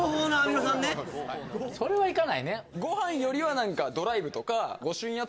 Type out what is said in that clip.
それは行かないね